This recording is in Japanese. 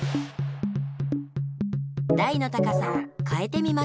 だいの高さをかえてみましょう。